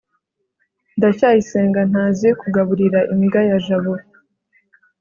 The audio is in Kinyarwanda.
ndacyayisenga ntazi kugaburira imbwa ya jabo